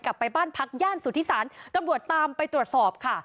กลับไปบ้านพักย่านสุธิศาลตำรวจตามไปตรวจสอบค่ะ